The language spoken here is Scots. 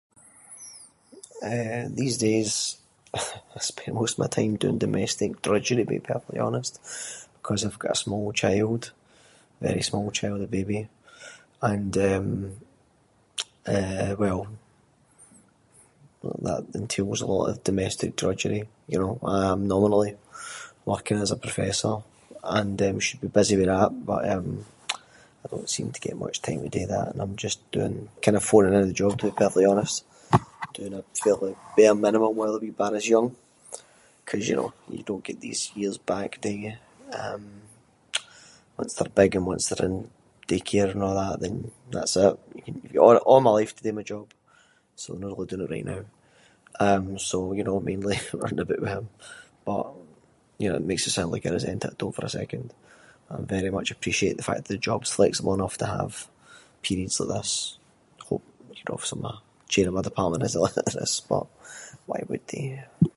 Eh these days I spend most of my time doing domestic drudgery being perfectly honest. ‘Cause I’ve got a small child- a very small child, a baby. And eh, eh, well that entails a lot of domestic drudgery. You know, I’m nominally working as a professor and eh should be busy with that, but eh I don’t seem to get much time to do that, and I’m just doing- kind of phoning in the job to be perfectly honest. Doing a fairly bare minimum while the wee barra’s young, ‘cause you know, you don’t get these years back do you? Um, once they’re big and once they’re in daycare and a’ that then that’s it you can- you’ve got a’- a’ my life to do my job, so I’m no really doing it right now. Um, so you know, mainly running aboot with him, but you know that makes it sound like I resent it, I don’t for a second. I’m very much appreciate the fact the job’s flexible enough to have periods like this. Hope the chair of a department isn’t listening to this, but why would they?